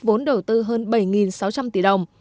vốn đầu tư hơn bảy sáu trăm linh tỷ đồng